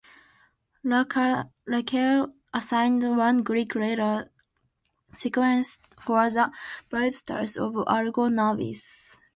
Lacaille assigned one Greek letter sequence for the bright stars of Argo Navis.